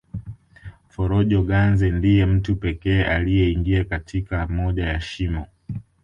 Forojo Ganze ndiye mtu pekee aliyeingia katika moja ya shimo